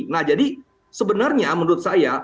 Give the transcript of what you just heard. nah jadi sebenarnya menurut saya